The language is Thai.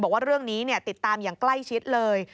บอกว่าเรื่องนี้ติดตามอย่างใกล้ชิดเลย